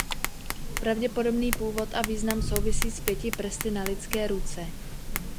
Pravděpodobný původ a význam souvisí s pěti prsty na lidské ruce.